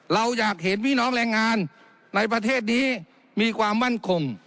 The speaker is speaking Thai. เราอยากเห็นพี่น้องแรงงานในประเทศนี้มีความมั่นคง